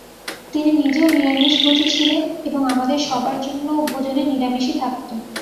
তিনি নিজেও নিরামিষভোজী ছিলেন এবং আমাদের সবার জন্যও ভোজনে নিরামিষই থাকত।